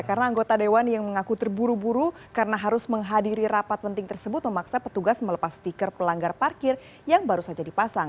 karena anggota dewan yang mengaku terburu buru karena harus menghadiri rapat penting tersebut memaksa petugas melepas stiker pelanggar parkir yang baru saja dipasang